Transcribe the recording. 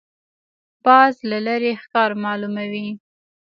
باز له لرې ښکار معلوموي